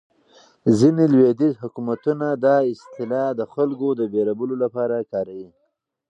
ځینې لویدیځ حکومتونه دا اصطلاح د خلکو د وېرولو لپاره کاروي.